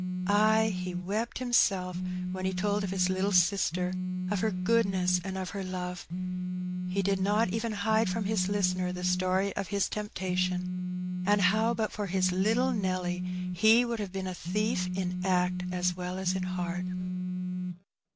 Ay, he wept himself when he told of his little sister, of her goodness and of her love. He did not even hide from his listener the story of his temptation, and how but for his little Nelly he would have been a thief in act as well as in heart.